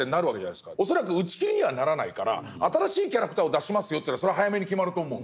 恐らく打ち切りにはならないから新しいキャラクターを出しますよってのはそりゃ早めに決まると思う。